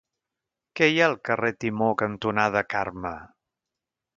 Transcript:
Què hi ha al carrer Timó cantonada Carme?